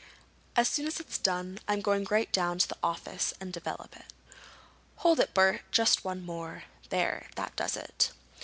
"As soon as it's done I'm going right down to the office and develop it. Hold it, Bert. Just one more. There, that does it."